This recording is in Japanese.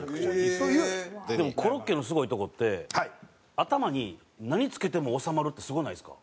でもコロッケのすごいとこって頭に何つけても収まるってすごないですか？